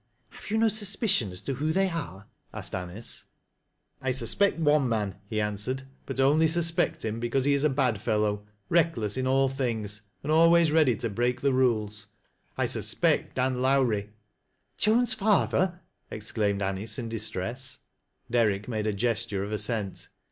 "Have you no suspicion as tr> who they arc?'' a^ked A.nice. OUTSIDE 7SB HWDGB 58 " I suspect one man," he answered, " but only suspocl liim because he is a bad fellow, reckless in all thin^, and always ready to break the rules. I suspect Dan Lowrie "" Joan's father ?" exclaimed Anice in distress. Derrick made a gesture of assent.